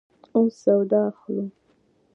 اوس سودا اخلو